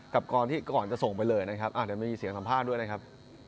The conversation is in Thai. ก่อนที่ก่อนจะส่งไปเลยนะครับเดี๋ยวมีเสียงสัมภาษณ์ด้วยนะครับ